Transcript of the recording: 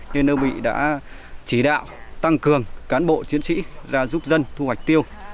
nên đơn vị đã chỉ đạo tăng cường cán bộ chiến sĩ ra giúp dân thu hoạch tiêu